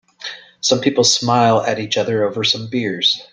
Some people smile at each other over some beers.